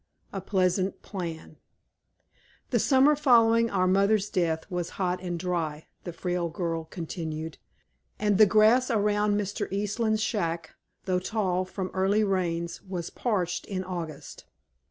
A PLEASANT PLAN "The summer following our mother's death was hot and dry," the frail girl continued, "and the grass around Mr. Eastland's shack, though tall from early rains, was parched in August.